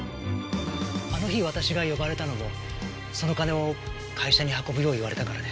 あの日私が呼ばれたのもその金を会社に運ぶよう言われたからで。